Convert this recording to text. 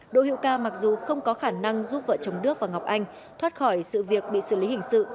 đỗ hiễu ca mặc dù không có khả năng giúp vợ chồng đức và ngọc anh thoát khỏi sự việc bị xử lý hình sự